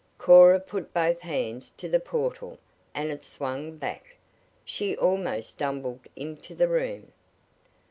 Cora put both hands to the portal, and it swung back. She almost stumbled into the room.